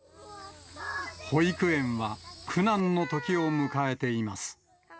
保育園は苦難のときを迎えています。